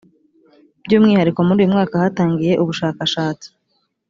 byu umwihariko muri uyu mwaka hatangiye ubushakashatsi